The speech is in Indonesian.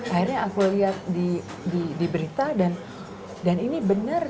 akhirnya aku lihat di berita dan ini benar